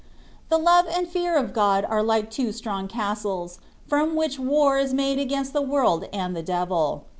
The love and fear of God are like two strong caatles, from which war is made against the world and the devil.